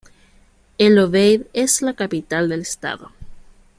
El Obeid es la capital del estado.